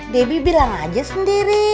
debbie bilang aja sendiri